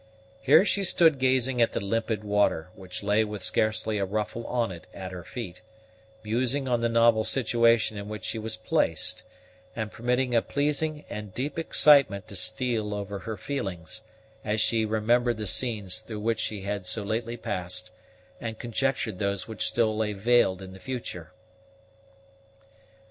Here she stood gazing at the limpid water, which lay with scarcely a ruffle on it at her feet, musing on the novel situation in which she was placed, and permitting a pleasing and deep excitement to steal over her feelings, as she remembered the scenes through which she had so lately passed, and conjectured those which still lay veiled in the future.